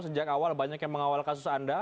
sejak awal banyak yang mengawal kasus anda